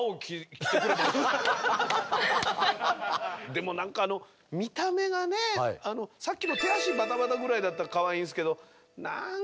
でも何かあの見た目がねさっきの手足バタバタぐらいだったらかわいいんですけど何かギラギラして。